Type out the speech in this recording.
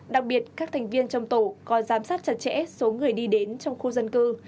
đặc biệt các thành viên trong tổ có giám sát chặt chẽ số người đi đến trong khu dân cư